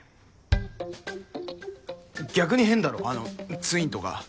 逆に変だろあのツインとか。